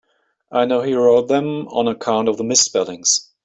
I know he wrote them on account of the misspellings.